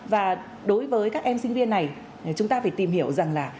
và đối với các em sinh viên này chúng ta phải tìm hiểu rằng là